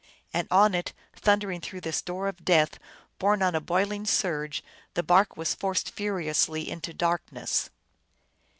And on it, thundering through this door of death, borne on a boiling surge, the bark was forced furiously into darkness.